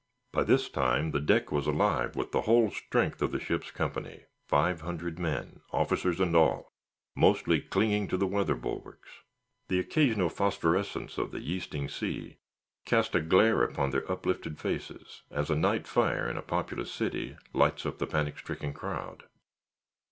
By this time the deck was alive with the whole strength of the ship's company, five hundred men, officers and all, mostly clinging to the weather bulwarks. The occasional phosphorescence of the yeasting sea cast a glare upon their uplifted faces, as a night fire in a populous city lights up the panic stricken crowd.